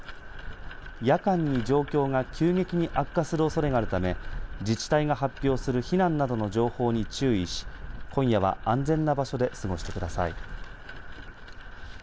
夜間に状況が急激に悪化するおそれがあるため自治体が発表する避難などの情報に注意し今夜は安全な場所で過ごしてください。